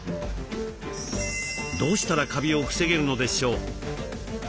どうしたらカビを防げるのでしょう？